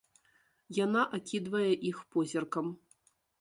Яна акідвае іх позіркам.